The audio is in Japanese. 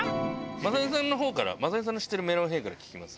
雅紀さんの方から雅紀さんの知ってるメロンへぇから聞きます。